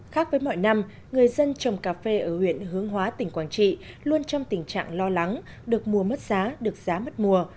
khác với mọi năm người dân trồng cà phê ở huyện hướng hóa tỉnh quảng trị luôn trong tình trạng lo lắng được mua mất giá được giá mất mùa